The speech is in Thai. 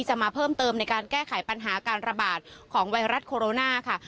มาเพิ่มเติมในการแก้ไขปัญหาการระบาดของไวรัสโคโรนาค่ะ